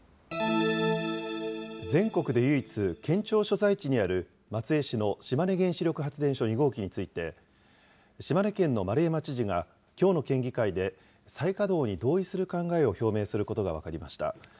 全国で唯一、県庁所在地にある松江市の島根原子力発電所２号機について、島根県の丸山知事がきょうの県議会で、再稼働に同意する考えを表明することが分かりました。